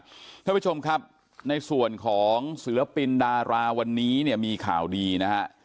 เพื่อนผู้ชมครับในส่วนของเสื้อปินดาราวันนี้เนี่ยมีข่าวดีนะครับ